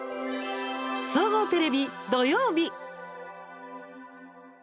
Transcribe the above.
総合テレビ、土曜日。